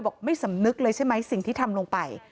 ไม่สำนึกเลยใช่ไหมสิ่งที่ทำลงไป